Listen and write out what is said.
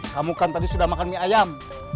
kamu kan tadi sudah makan mie ayam